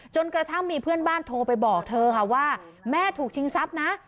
กระทั่งมีเพื่อนบ้านโทรไปบอกเธอค่ะว่าแม่ถูกชิงทรัพย์นะ